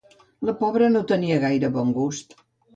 La pobra no tenia gaire bon gust.